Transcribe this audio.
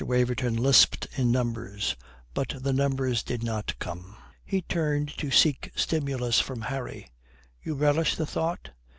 Waverton lisped in numbers, but the numbers did not come. He turned to seek stimulus from Harry. "You relish the thought?"